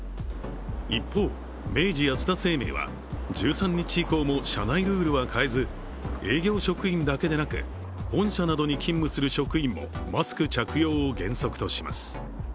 一方、明治安田生命は１３日以降も社内ルールは変えず、営業職員だけでなく、本社などに勤務する職員もマスク着用を原則とします。